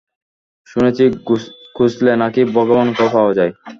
শুনেছি খুজলে নাকি ভগবানকেও পাওয়া যায়।